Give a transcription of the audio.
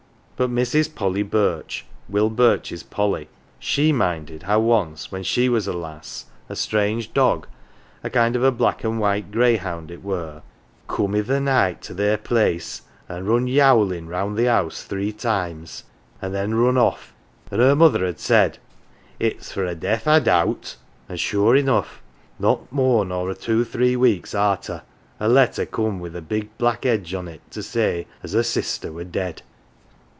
But Mrs. Polly Birch (Will Birch's Polly) she minded how once, when she was a lass, a strange dog a kind of a black and white greyhound it were coom i' th' night to their place, and run youlin' round the house three times, an' then run off', an 1 her mother had said, 'It's for a death, I doubt,' an' sure enough not more nor a two three weeks arter a letter coom wi 1 a big black edge on it to say as her sister were dead.